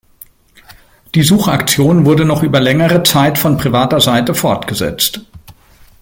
Die Suchaktion wurde noch über längere Zeit von privater Seite fortgesetzt.